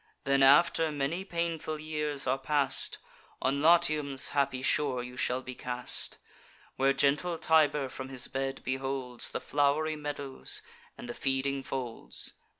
Then, after many painful years are past, On Latium's happy shore you shall be cast, Where gentle Tiber from his bed beholds The flow'ry meadows, and the feeding folds.